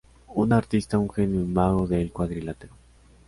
Un artista, un genio, un mago del cuadrilátero.